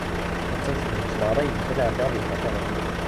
Att-an tewweḍ-d tmeɣṛa-inek ad ɛeddiɣ ad wwteɣ tabacmaqt.